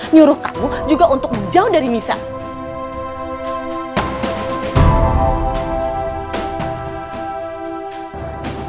nyuruh kamu juga untuk menjauh dari misal